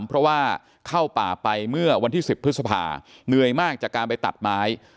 เพราะว่าเข้าป่าไปเมื่อวันที่๑๐พฤษภาเหนื่อยมากจากการไปตัดไม้